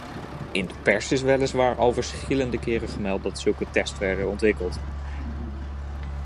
In de pers is weliswaar al verschillende keren gemeld dat zulke tests werden ontwikkeld.